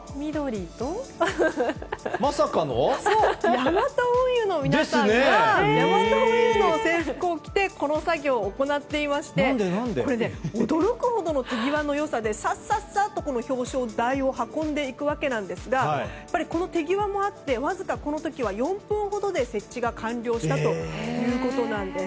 ヤマト運輸の皆さんがヤマト運輸の制服を着てこの作業を行っていましてこの作業を行っていまして驚くほどの手際の良さでさっさと表彰台を運んでいくわけですが手際もあってわずかこの時は４分ほどで設置が完了したということです。